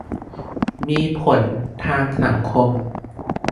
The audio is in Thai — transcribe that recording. มีผลทางสังคม